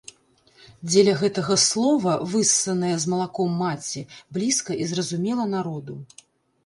Дзеля гэтага слова, выссанае з малаком маці, блізка і зразумела народу.